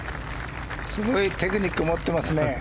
すごいテクニックを持っていますね。